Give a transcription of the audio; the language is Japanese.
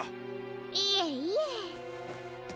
いえいえ。